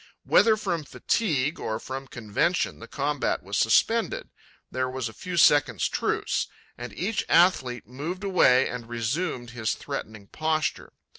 Whether from fatigue or from convention, the combat was suspended; there was a few seconds' truce; and each athlete moved away and resumed his threatening posture.